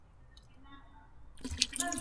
黾学创始人。